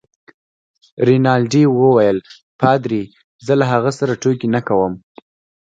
رینالډي وویل: پادري؟ زه له هغه سره ټوکې نه کوم.